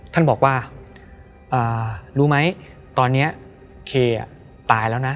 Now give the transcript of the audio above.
ท่านบอกว่ารู้ไหมตอนนี้เคตายแล้วนะ